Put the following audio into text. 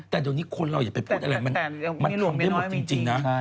แต่เดี๋ยวนี้คนเราอย่าไปพูดอะไรมันทำได้หมดจริงนะ